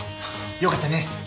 よかったね